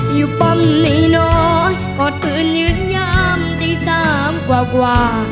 อยู่ป้องในน้อยก็ตื่นยืนยามดีซ้ำกว่ากว่า